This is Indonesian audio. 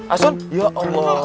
asun ya allah